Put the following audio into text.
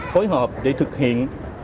phối hợp để thực hiện